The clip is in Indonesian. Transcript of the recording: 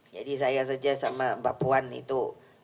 jadi saya saja sama bapuan itu